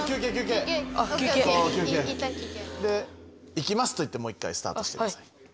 「行きます」と言ってもう一回スタートしてください。